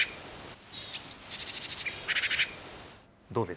どうです？